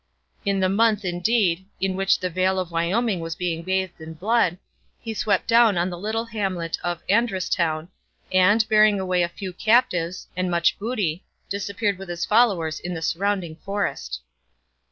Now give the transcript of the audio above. In the month, indeed, in which the vale of Wyoming was being bathed in blood, he swept down on the little hamlet of Andrustown, and, bearing away a few captives and much booty, disappeared with his followers in the surrounding forest.